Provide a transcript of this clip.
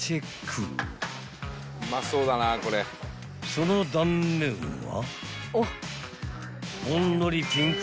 ［その断面は］